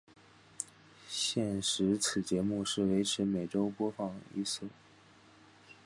现时此节目是维持每周播放一次。